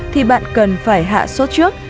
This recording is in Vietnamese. thì bạn cần phải hạ sốt trước